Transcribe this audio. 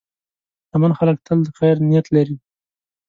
شتمن خلک تل د خیر نیت لري.